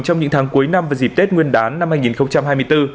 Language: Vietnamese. trong những tháng cuối năm và dịp tết nguyên đán năm hai nghìn hai mươi bốn